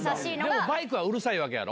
でも、バイクはうるさいわけやろ？